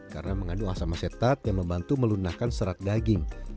karena mengandung asam asetat yang membantu melunakan serat daging